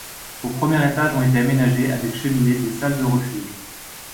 Au premier étage ont été aménagées, avec cheminée, des salles de refuge.